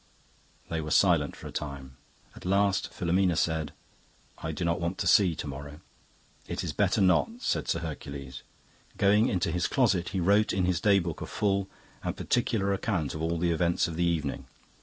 They were silent for a time. "At last Filomena said, 'I do not want to see to morrow.' "'It is better not,' said Sir Hercules. Going into his closet he wrote in his day book a full and particular account of all the events of the evening.